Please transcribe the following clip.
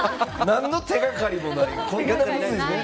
何の手がかりもない。